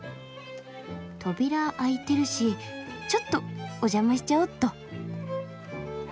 扉開いてるしちょっとお邪魔しちゃおうっと。